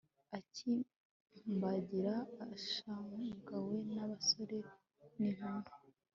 akimbagira ashagawe n'abasore n'inkumi